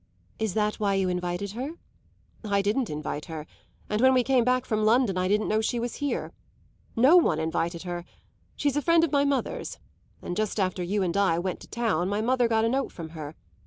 "Is that why you invited her?" "I didn't invite her, and when we came back from London I didn't know she was here. No one invited her. She's a friend of my mother's, and just after you and I went to town my mother got a note from her.